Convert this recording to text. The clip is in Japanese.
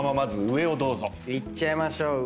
いっちゃいましょう上。